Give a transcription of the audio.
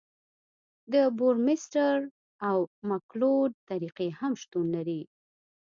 د بورمستر او مکلوډ طریقې هم شتون لري